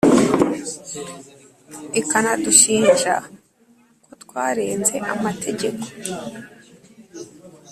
ikanadushinja ko twarenze Amategeko,